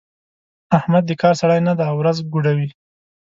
احمد د کار سړی نه دی؛ ورځ ګوډوي.